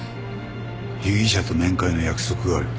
被疑者と面会の約束がある。